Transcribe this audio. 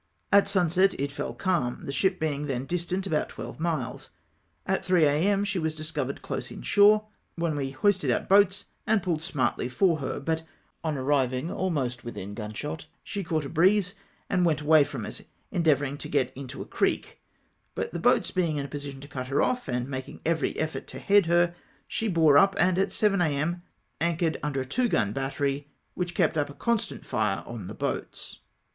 At sunset it fell calm, the ship being then distant about twelve miles. At 3 A.M. she was discovered close in shore, when we hoisted out boats and puUed smartly for her, but on arriving almost within gun shot, she cauglit a breeze, and went away from us, endeavouring to get into a creek ; but the boats being in a position to cut her off, and maldng every effort to head her, she bore up, and at 7 A. M. anchored under a two gun battery, which kept up a constant fire on the boats.